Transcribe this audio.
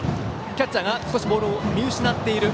キャッチャーがボールを見失っている。